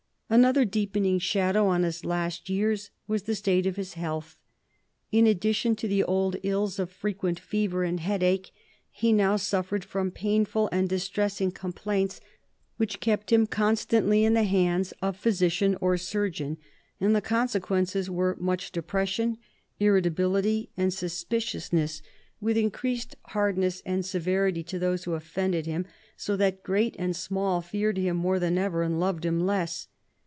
Another deepening shadow on his last years was the state of his health. In addition to the old ills of frequent fever and headache, he now suffered from painful and distressing complaints which kept him constantly in the hands of physician or surgeon ; and the consequences were much depression, irritability, and suspiciousness, with increased hardness and severity to those who offended him, so that great and small feared him more than ever and loved him less.